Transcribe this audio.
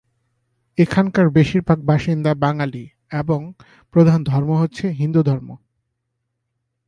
এখানকার বেশিরভাগ বাসিন্দা বাঙালি এবং প্রধান ধর্ম হচ্ছে হিন্দুধর্ম।